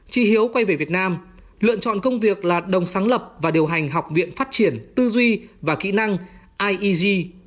trí hiếu quay về việt nam lựa chọn công việc là đồng sáng lập và điều hành học viện phát triển tư duy và kỹ năng ieg